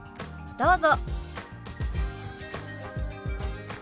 どうぞ。